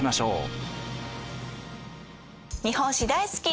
日本史大好き！